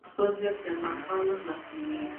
که تاسو پاسورډ هېر کړئ نو اکاونټ نه خلاصیږي.